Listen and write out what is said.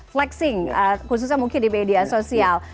flexing khususnya mungkin di media sosial